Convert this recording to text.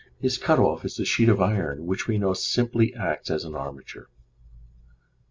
His cut off is a sheet of iron, which we know acts simply as an armature.